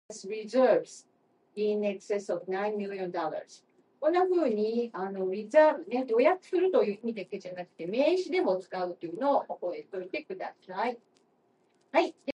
It was so straight-ahead.